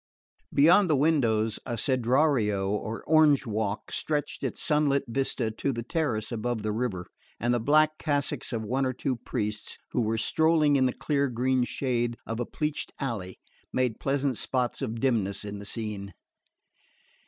Beyond the windows, a cedrario or orange walk stretched its sunlit vista to the terrace above the river; and the black cassocks of one or two priests who were strolling in the clear green shade of a pleached alley made pleasant spots of dimness in the scene.